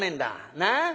なあ。